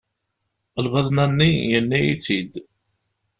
Lbaḍna-nni, yenna-iyi-tt-id.